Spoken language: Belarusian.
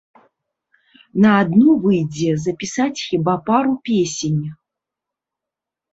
На адну выйдзе запісаць хіба пару песень.